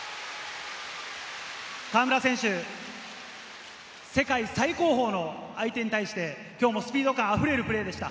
河村選手、世界最高峰の相手に対して、きょうもスピード感あふれるプレーでした。